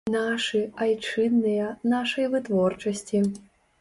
Нашы, айчынныя, нашай вытворчасці.